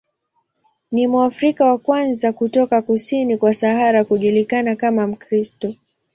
Ni Mwafrika wa kwanza kutoka kusini kwa Sahara kujulikana kama Mkristo.